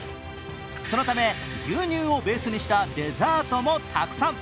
そのため、牛乳をベースにしたデザートもたくさん。